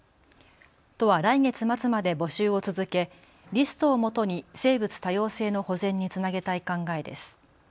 都は来月末まで募集を続けリストをもとに生物多様性の保全につなげたい考えです。